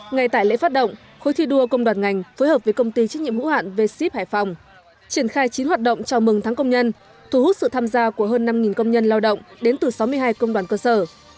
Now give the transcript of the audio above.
ngay tại lễ phát động khối thi đua công đoàn ngành phối hợp với công ty trách nhiệm hữu hạn v ship hải phòng triển khai chín hoạt động chào mừng tháng công nhân thu hút sự tham gia của hơn năm công nhân lao động đến từ sáu mươi hai công đoàn cơ sở